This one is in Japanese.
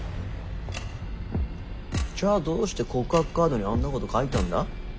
じゃあどうして告白カードにあんなこと書いたんだ？